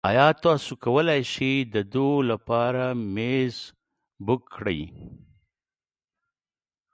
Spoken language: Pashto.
ایا تاسو کولی شئ د دوو لپاره میز بک کړئ؟